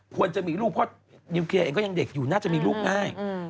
ควรจะมีลูกเพราะนิวเคลียร์เองก็ยังเด็กอยู่น่าจะมีลูกง่าย